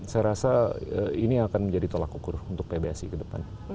saya rasa ini akan menjadi tolak ukur untuk pbsi ke depan